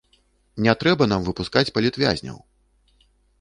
Не трэба нам выпускаць палітвязняў!